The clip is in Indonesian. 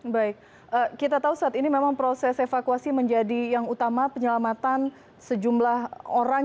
baik kita tahu saat ini memang proses evakuasi menjadi yang utama penyelamatan sejumlah orang